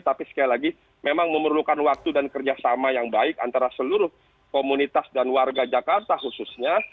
tapi sekali lagi memang memerlukan waktu dan kerjasama yang baik antara seluruh komunitas dan warga jakarta khususnya